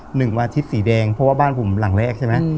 หนึ่งอาทิตย์สีแดงเพราะว่าบ้านผมหลังแรกใช่ไหม